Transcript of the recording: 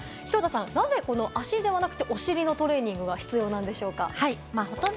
廣田さん、なぜ脚ではなく、お尻のトレーニングが必要なんでしょうか？